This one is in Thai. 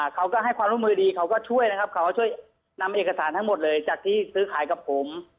เขาก็ให้ความร่วมมือดีเขาก็ช่วยนะครับเขาก็ช่วยนำเอกสารทั้งหมดเลยจากที่ซื้อขายกับผม